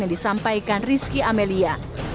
yang disampaikan rizki amelia